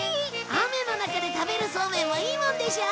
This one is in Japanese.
雨の中で食べるそうめんもいいもんでしょ？